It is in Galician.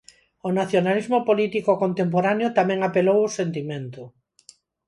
O nacionalismo político contemporáneo tamén apelou ao sentimento.